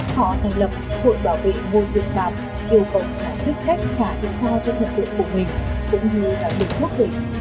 họ thành lập hội bảo vệ ngôi dự phạm yêu cầu cả chức trách trả tiền giao cho thần tượng của mình cũng như đảm bảo quốc tịch